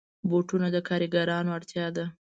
بوټونه د کارګرانو اړتیا ده.